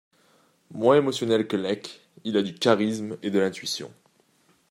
Moins émotionnel que Lech, il a du charisme et de l’intuition.